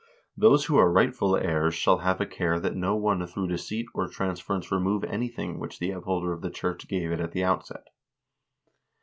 Those who are rightful heirs shall have a care that no one through deceit or transference remove anything which the up holder of the church gave to it at the outset.